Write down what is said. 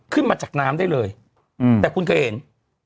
ขึ้นมาจากน้ำได้เลยแต่พูดกันเอง